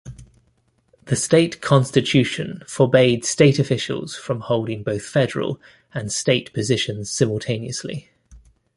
The state constitution forbade state officials from holding both federal and state positions simultaneously.